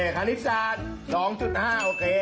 การิสราตร๒๕โอเค